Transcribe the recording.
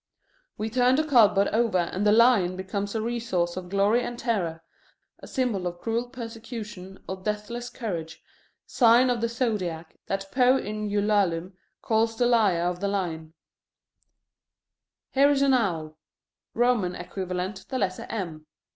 We turn the cardboard over and the lion becomes a resource of glory and terror, a symbol of cruel persecutions or deathless courage, sign of the zodiac that Poe in Ulalume calls the Lair of the Lion. Here is an owl: Roman equivalent, the letter M.